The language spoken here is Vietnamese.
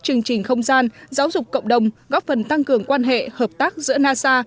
chương trình không gian giáo dục cộng đồng góp phần tăng cường quan hệ hợp tác giữa nasa